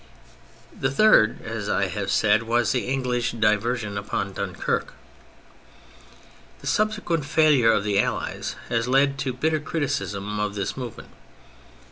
The third, as I have said, was the English diversion upon Dunquerque. The subsequent failure of the Allies has led to bitter criticism of this movement.